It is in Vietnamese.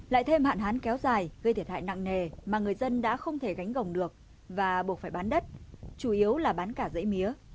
lại thêm hạn hán kéo dài gây thiệt hại nặng nề mà người dân đã không thể gánh gồng được và buộc phải bán đất chủ yếu là bán cả dãy mía